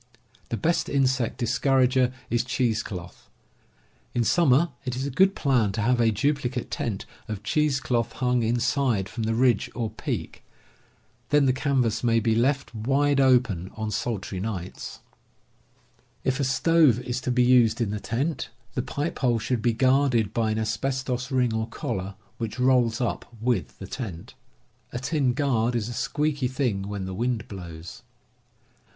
The best insect discourager is cheese cloth. In summer it is a good plan to have a duplicate tent of cheese cloth hung inside from the ridge or peak; then the canvas may be left wide open on sultry nights. 42 CAMPING AND WOODCRAFT If a stove is to be used in the tent, the pipe hole should be guarded by an asbestos ring or collar, which _,.. rolls up with the tent. A tin guard is a ^* squeaky thing when the wind blows.